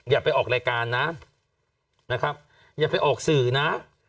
อย่าไปออกรายการนะนะครับอย่าไปออกสื่อนะ